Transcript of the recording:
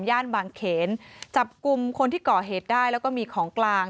ย่านบางเขนจับกลุ่มคนที่ก่อเหตุได้แล้วก็มีของกลาง